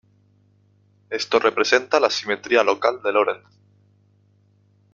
Esto representa la simetría local de Lorentz.